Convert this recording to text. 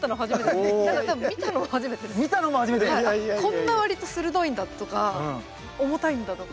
こんなわりと鋭いんだとか重たいんだとか。